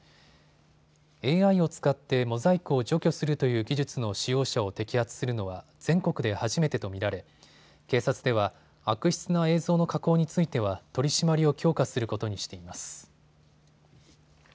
ＡＩを使ってモザイクを除去するという技術の使用者を摘発するのは全国で初めてと見られ警察では悪質な映像の加工については取締りを強化することにしています。